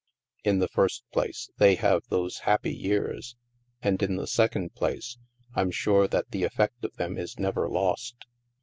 In the first place, they have those happy years ; and, in the second place, Fm sure that the effect of them is never lost.